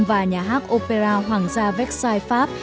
và nhà hát opera hoàng gia vecchiai pháp